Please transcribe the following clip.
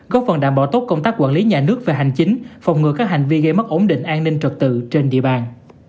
góp phần đảm bảo tốt công tác quản lý nhà nước về hành chính phòng ngừa các hành vi gây mất ổn định an ninh trật tự trên địa bàn